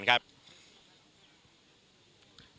และพัฒนาคุณภาพชีวิตคนพิการ